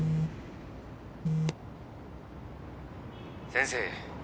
先生。